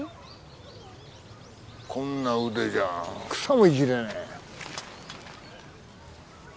こんなうでじゃ草もいじれねえ。